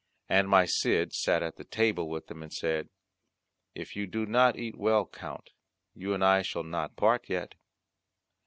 And my Cid sate at the table with them, and said, "If you do not eat well, Count, you and I shall not part yet."